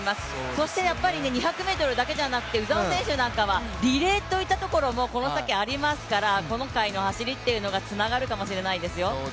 そしてやっぱり２００ｍだけじゃなくて鵜澤選手なんかはリレーといったところもこの先ありますから今回の走りというのがつながるかもしれないですよ。